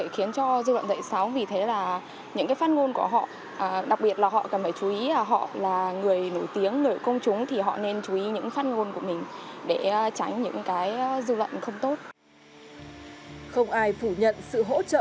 không ai phủ nhận sự hỗ trợ